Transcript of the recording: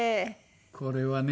これはね